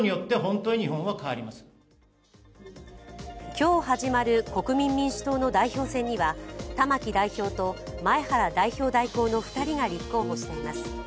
今日始まる、国民民主党の代表戦には玉木代表と前原代表代行の２人が立候補しています。